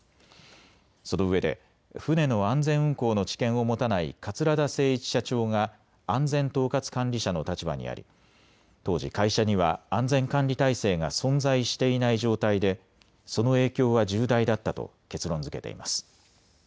そのうえで船の安全運航の知見を持たない桂田精一社長が安全統括管理者の立場にあり当時、会社には安全管理体制が存在していない状態でその影響は重大だったと結論づけています。